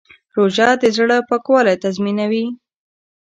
روژه د زړه پاکوالی تضمینوي.